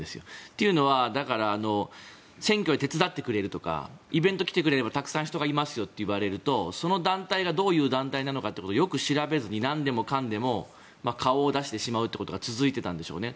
というのは、選挙で手伝ってくれるとかイベントに来てくれればたくさん人がいますよって言われるとその団体がどういう団体なのかということをよく調べずになんでもかんでも顔を出してしまうということが続いていたんでしょうね。